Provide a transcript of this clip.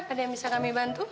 ada yang bisa kami bantu